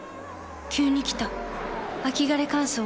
急に来た秋枯れ乾燥。